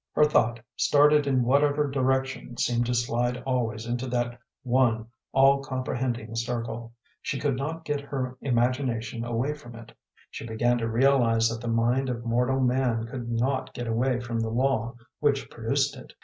Her thought, started in whatever direction, seemed to slide always into that one all comprehending circle she could not get her imagination away from it. She began to realize that the mind of mortal man could not get away from the law which produced it.